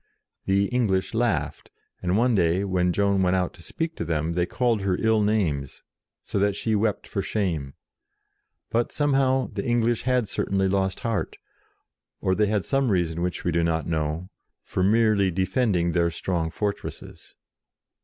The English laughed, and one day, when Joan went out to speak to them, they called her ill names, so that she wept for shame. But, somehow, the English had certainly lost heart, or they had some reason which we do not know, for merely defending their strong fortresses.